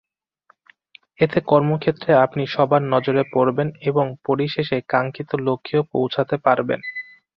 এতে কর্মক্ষেত্রে আপনি সবার নজরে পড়বেন এবং পরিশেষে কাঙ্ক্ষিত লক্ষ্যেও পৌঁছাতে পারবেন।